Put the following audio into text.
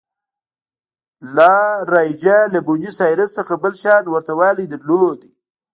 لا رایجا له بونیس ایرس څخه بل شان ورته والی درلود.